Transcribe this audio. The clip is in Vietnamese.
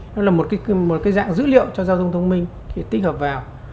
nó là một cái dạng dữ liệu cho giao thông thông minh để tích hợp vào